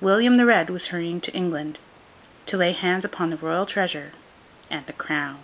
William the Red was hurrying to England, to lay hands upon the Royal treasure and the crown.